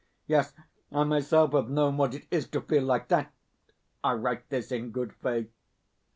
Yes, I myself have known what it is to feel like that (I write this in good faith).